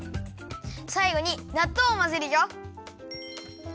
さいごになっとうをまぜるよ。